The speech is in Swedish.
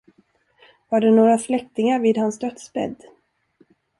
Var det några släktingar vid hans dödsbädd?